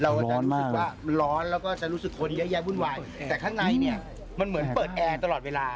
เราจะคิดว่ามันร้อนแล้วก็จะรู้สึกคนเยอะแยะวุ่นวายแต่ข้างในเนี่ยมันเหมือนเปิดแอร์ตลอดเวลา